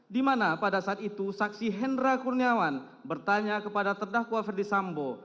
di mana pada saat itu saksi hendra kurniawan bertanya kepada terdakwa ferdisambo